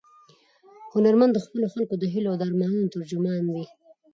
هنرمند د خپلو خلکو د هیلو او ارمانونو ترجمان وي.